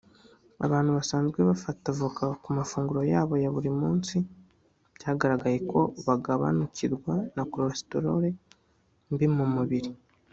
Abantu basanzwe bafata Avoka ku mafunguro yabo ya buri munsi byagaragaye ko bagabanukirwa na cholesterole mbi mu mubiri